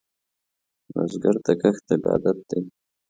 بزګر ته کښت عبادت دی